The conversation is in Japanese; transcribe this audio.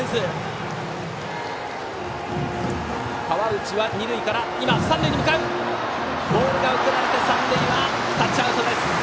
河内は三塁に向かうがボールが送られて三塁はタッチアウトです！